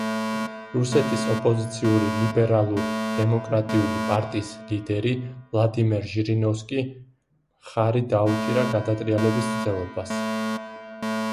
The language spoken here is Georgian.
რუსეთის ოპოზიციური ლიბერალურ-დემოკრატიული პარტიის ლიდერი ვლადიმერ ჟირინოვსკი მხარი დაუჭირა გადატრიალების მცდელობას.